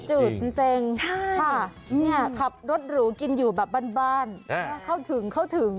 จุดจริงใช่นี่ครับรสหรูกินอยู่แบบบ้านเข้าถึงเข้าถึง